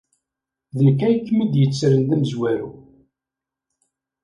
D nekk ay kem-id-yettren d amezwaru.